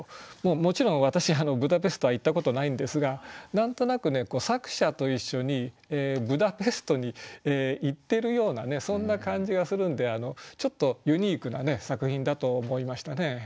もちろん私ブダペストは行ったことないんですが何となく作者と一緒にブダペストに行ってるようなそんな感じがするんでちょっとユニークな作品だと思いましたね。